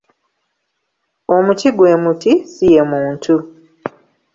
Omuti gwe muti, ssi ye muntu.